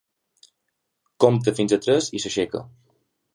Compta fins a tres i s'aixeca.